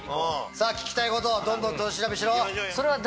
さぁ聞きたいことどんどん取り調べしろ。